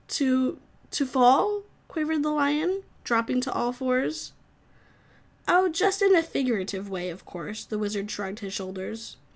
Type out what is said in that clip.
"To to fall?" quavered the lion, dropping to all fours. "Oh, just in a figurative way, of course." The Wizard shrugged his shoulders.